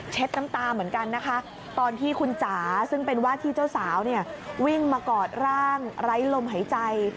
น้ำตาเหมือนกันนะคะตอนที่คุณจ๋าซึ่งเป็นว่าที่เจ้าสาวเนี่ยวิ่งมากอดร่างไร้ลมหายใจ